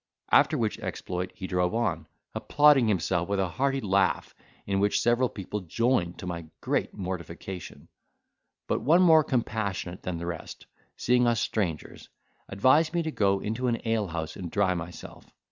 After which exploit he drove on, applauding himself with a hearty laugh, in which several people joined, to my great mortification; but one, more compassionate than the rest, seeing us strangers, advised me to go into an alehouse, and dry myself.